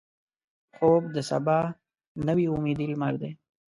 خوب د سبا نوې امیدي لمر دی